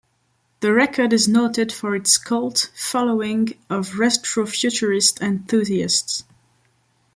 The record is noted for its cult following of retrofuturist enthusiasts.